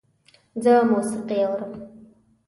زه موسیقی اورم